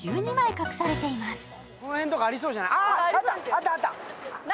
あったあった。